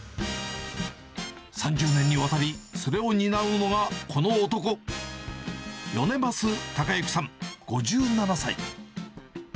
３０年にわたり、それを担うのがこの男、米桝隆之さん５７歳。